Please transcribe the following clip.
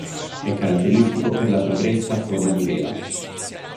È caratteristico per la sua cresta a forma di vela.